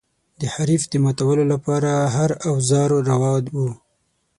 د حریف د ماتولو لپاره هر اوزار روا و.